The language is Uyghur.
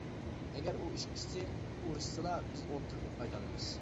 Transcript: ئەگەر ئۇ ئىككىسى ئۇرۇشسىلا بىز ئوتتۇرىدىن پايدا ئالىمىز.